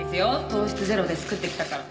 糖質ゼロで作ってきたから。